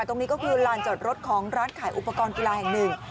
ตรงนี้ก็คือลานจอดรถของร้านขายอุปกรณ์กีฬาแห่งหนึ่ง